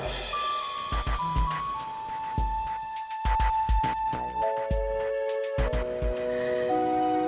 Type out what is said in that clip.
bagaimana menurut ibu nawang